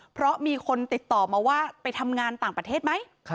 เพราะมีคนติดต่อมาว่าไปทำงานต่างประเทศไหม